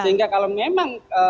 sehingga kalau memang